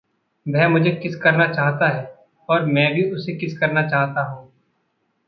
वह मुझे किस करना चाहता है। और मैं भी उसे किस करना चाहता हूँ।